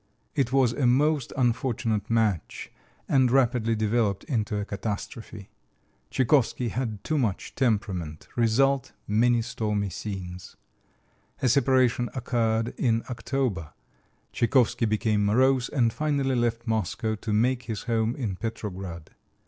It was a most unfortunate match and rapidly developed into a catastrophe. Tchaikovsky had too much temperament result, many stormy scenes. A separation occurred in October. Tchaikovsky became morose, and finally left Moscow to make his home in Petrograd.